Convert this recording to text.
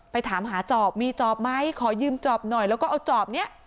ถามหาจอบมีจอบไหมขอยืมจอบหน่อยแล้วก็เอาจอบนี้